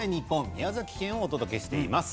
宮崎県をお届けしています。